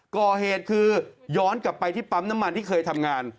ก่อเหตุคือย้อนกลับไปที่ปั๊มน้ำมันที่เคยทำงาน